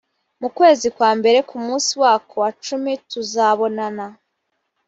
mu kwezi kwa mbere ku munsi wako wa cumi tuzabonana